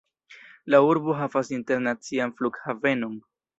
La urbo havas internacian flughavenon.